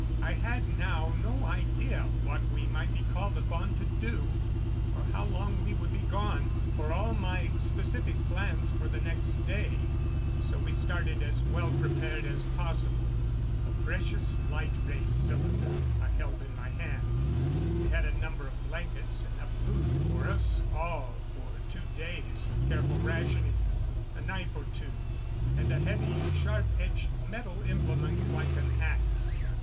I had now no idea what we might be called upon to do, or how long we would be gone, for all my specific plans for the next day; so we started as well prepared as possible. The precious light ray cylinder I held in my hand. We had a number of blankets, enough food for us all for two days of careful rationing, a knife or two, and a heavy, sharp edged metal implement like an ax.